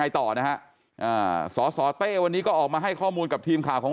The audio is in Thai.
ต่อนะฮะสสเต้วันนี้ก็ออกมาให้ข้อมูลกับทีมข่าวของ